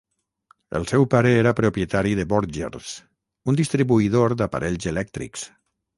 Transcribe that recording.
El seu pare era propietari de Borger's, un distribuïdor d'aparells elèctrics.